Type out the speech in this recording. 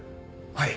はい。